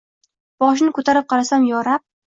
Boshini ko’tarib qarasam, yo rab